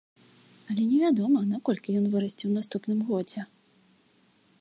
Але невядома, на колькі ён вырасце ў наступным годзе.